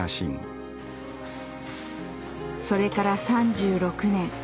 それから３６年。